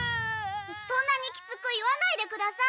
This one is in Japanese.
そんなにきつく言わないでください。